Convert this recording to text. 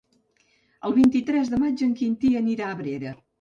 El vint-i-tres de maig en Quintí anirà a Abrera.